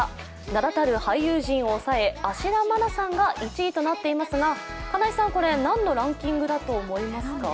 名だたる俳優陣を抑え、芦田愛菜さんが１位となっていますが金井さん、何のランキングだと思いますか？